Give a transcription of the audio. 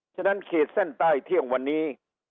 ฉะนั้นขีดเส้นใต้เที่ยงวันนี้